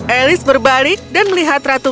alice berbalik dan melihat ratunya